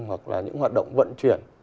hoặc là những hoạt động vận chuyển